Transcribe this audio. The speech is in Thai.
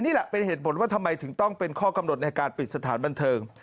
นี่แหละเป็นเหตุผลว่าทำไมถึงต้องเป็นข้อกำหนดในการปิดสถานบันเทิง